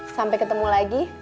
sampai ketemu lagi